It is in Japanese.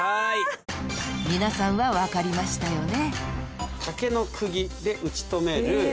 ［皆さんは分かりましたよね？］